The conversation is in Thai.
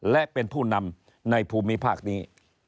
และเป็นผู้นำในภูมิภาคนี้